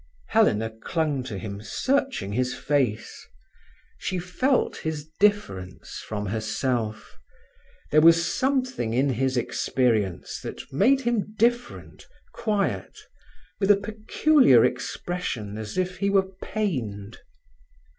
Helena clung to him, searching his face. She felt his difference from herself. There was something in his experience that made him different, quiet, with a peculiar expression as if he were pained.